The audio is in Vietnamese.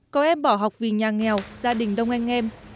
có em bỏ học vì nhà nghèo gia đình đông anh em